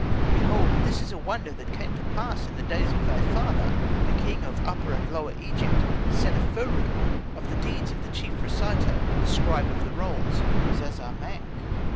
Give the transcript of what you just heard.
Behold, this is a wonder that came to pass in the days of thy father, the king of Upper and Lower Egypt, Seneferu, of the deeds of the chief reciter, the scribe of the rolls, Zazamankh."